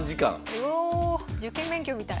うお受験勉強みたい。